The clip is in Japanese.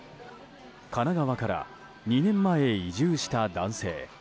神奈川から２年前移住した男性。